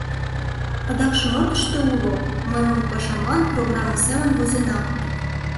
Адакше мо тыште уло, мый мурпашамлан программе семын возенам.